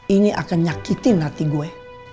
ini akan nyakitin hati gue